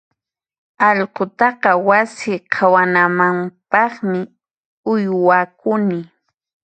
Allqutaqa wasi qhawanampaqmi uywakuni.